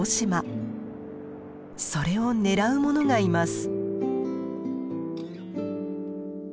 それを狙うものがいます。